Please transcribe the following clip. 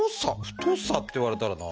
太さって言われたらな。